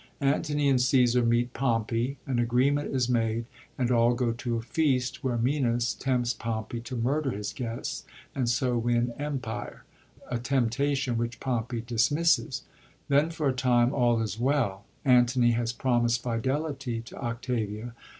Antony and Caesar meet Pompey; an agreement is made, and all go to a feast, where Menas tempts Pompey to murder his guests, and so win empire — a temptation which Pompey dismisses. Then for a time all is well ; Antony has promist fidelity to Octavia.